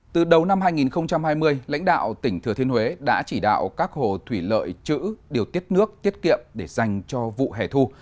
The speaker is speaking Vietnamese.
từ đầu năm hai nghìn hai mươi lãnh đạo tỉnh thừa thiên huế đã chỉ đạo các hồ thủy lợi chữ điều tiết nước tiết kiệm để dành cho vụ hẻ thu